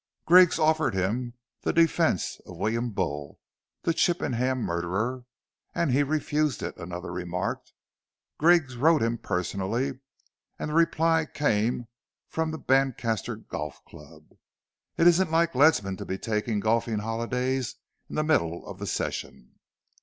"Griggs offered him the defence of William Bull, the Chippenham murderer, and he refused it," another remarked. "Griggs wrote him personally, and the reply came from the Brancaster Golf Club! It isn't like Ledsam to be taking golfing holidays in the middle of the session."